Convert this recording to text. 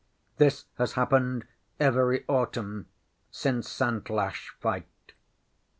This has happened every autumn since Santlache fight.